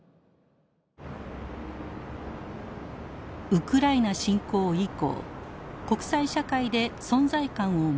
ウクライナ侵攻以降国際社会で存在感を増すトルコ。